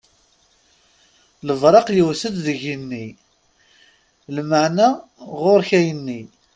Lebṛaq yewwet-d deg igenni lmeɛna ɣuṛ-k ayenni!